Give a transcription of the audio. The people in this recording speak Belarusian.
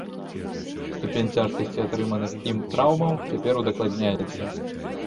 Ступень цяжкасці атрыманых ім траўмаў цяпер удакладняецца.